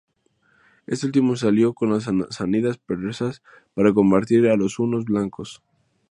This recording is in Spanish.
Este último se alió con los sasánidas persas para combatir a los hunos blancos.